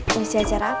ngisi acara apa